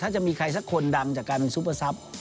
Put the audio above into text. จะมีใครสักคนดำจากการเป็นซุปเปอร์ทรัพย์